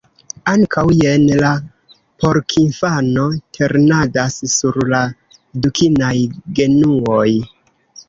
Ankaŭ, jen la porkinfano ternadas sur la dukinaj genuoj.